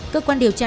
cơ quan điều tra